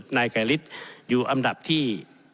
นายไกรฤทธิ์อยู่อันดับที่